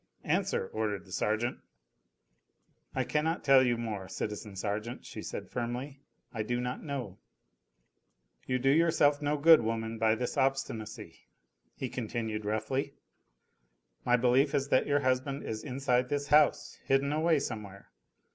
"Answer," ordered the sergeant. "I cannot tell you more, citizen sergeant," she said firmly. "I do not know." "You do yourself no good, woman, by this obstinacy," he continued roughly. "My belief is that your husband is inside this house, hidden away somewhere.